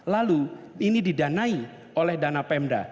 lalu ini didanai oleh dana pemda